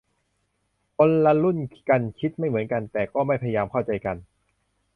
คนละรุ่นกันคิดไม่เหมือนกัน แต่ก็ไม่พยายามเข้าใจกัน